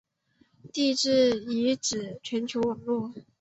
地质遗址全球网络。